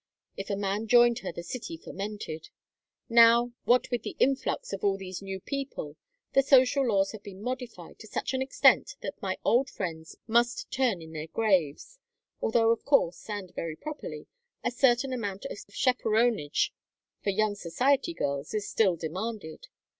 If a man joined her the city fermented. Now, what with the influx of all these new people, the social laws have been modified to such an extent that my old friends must turn in their graves; although, of course, and very properly, a certain amount of chaperonage for young society girls is still demanded.